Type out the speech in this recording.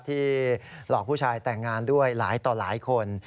หลอกผู้ชายแต่งงานด้วยหลายต่อหลายคน